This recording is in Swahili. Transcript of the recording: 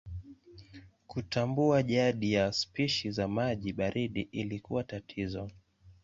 Kutambua jadi ya spishi za maji baridi ilikuwa tatizo.